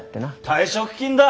退職金だ？